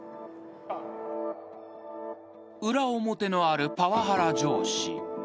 ［裏表のあるパワハラ上司］